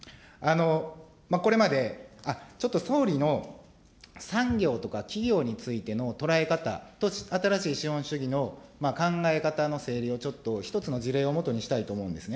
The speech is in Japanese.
これまで、ちょっと総理の、産業とか企業についての捉え方、新しい資本主義の考え方の整理を、ちょっと１つの事例を基にしたいと思うんですね。